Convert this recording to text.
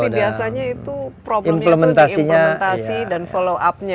tapi biasanya itu problemnya implementasi dan follow upnya